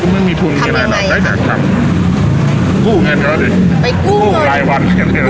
รุ่นได้วันรุ่นได้วันด้วยเมื่อจะขยายร้าน